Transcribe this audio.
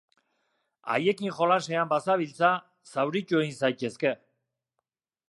Haiekin jolasean bazabiltza, zauritu egin zaitezke.